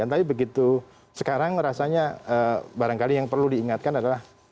tapi begitu sekarang rasanya barangkali yang perlu diingatkan adalah